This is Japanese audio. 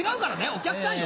お客さんよ。